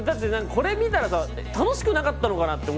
これ見たらさ楽しくなかったのかな？って思っちゃう。